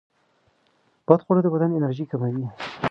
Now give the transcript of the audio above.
بدخواړه د بدن انرژي کموي.